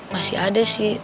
masih ada sih